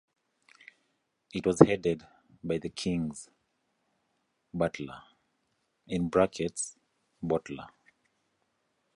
It was headed by the Kings Butler (Bottler).